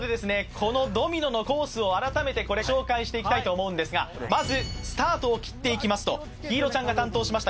このドミノのコースを改めて紹介していきたいと思うんですがまずスタートを切っていきますと陽彩ちゃんが担当しました